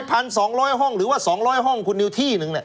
พันสองร้อยห้องหรือว่าสองร้อยห้องคุณนิวที่หนึ่งเนี่ย